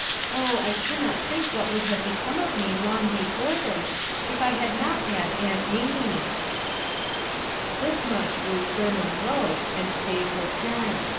Oh, I cannot think what would have become of me long before this, if I had not had Aunt Mamie.' " Thus much Ruth Burnham wrote, and stayed her pen.